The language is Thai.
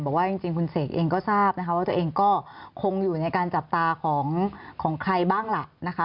บอกว่าจริงคุณเสกเองก็ทราบนะคะว่าตัวเองก็คงอยู่ในการจับตาของใครบ้างล่ะนะคะ